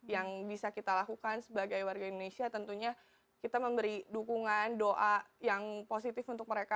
yang bisa kita lakukan sebagai warga indonesia tentunya kita memberi dukungan doa yang positif untuk mereka